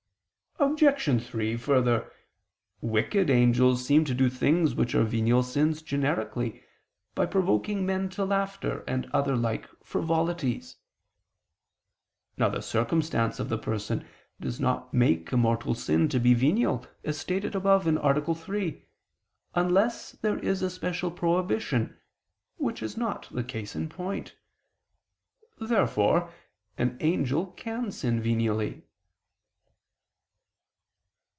Obj. 3: Further, wicked angels seem to do things which are venial sins generically, by provoking men to laughter, and other like frivolities. Now the circumstance of the person does not make a mortal sin to be venial as stated above (A. 3), unless there is a special prohibition, which is not the case in point. Therefore an angel can sin venially.